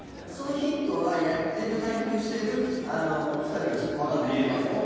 そのヒントはやってる、対局してる２人はわからないんですよね。